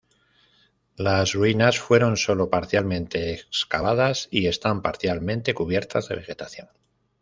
Las ruinas fueron solo parcialmente excavadas y están parcialmente cubiertas de vegetación.